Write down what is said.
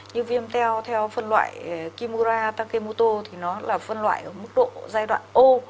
như viêm teo theo phân loại kimura takemuto thì nó là phân loại ở mức độ giai đoạn ô